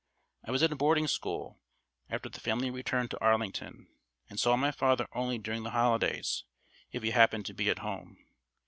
I was at a boarding school, after the family returned to Arlington, and saw my father only during the holidays, if he happened to be at home.